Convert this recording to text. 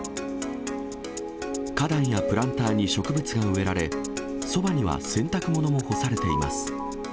花壇やプランターに植物が植えられ、そばには洗濯物も干されています。